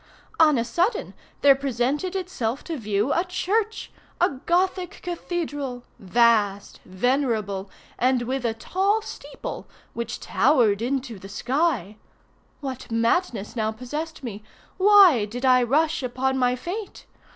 On a sudden, there presented itself to view a church—a Gothic cathedral—vast, venerable, and with a tall steeple, which towered into the sky. What madness now possessed me? Why did I rush upon my fate?